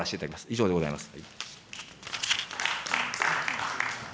以上でございます。